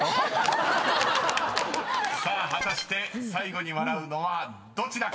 ［さあ果たして最後に笑うのはどちらか］